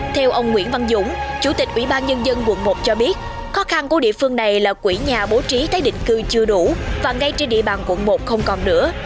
theo ông nguyễn văn dũng chủ tịch ủy ban nhân dân quận một cho biết khó khăn của địa phương này là quỹ nhà bố trí tái định cư chưa đủ và ngay trên địa bàn quận một không còn nữa